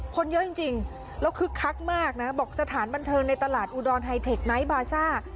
คนเยอะจริงแล้วคึกคักมากนะบอกสถานบันเทิงในตลาดอุดรไฮเทคไนท์บาซ่า